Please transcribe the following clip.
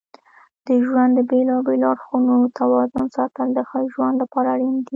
د ژوند د بیلابیلو اړخونو توازن ساتل د ښه ژوند لپاره اړین دي.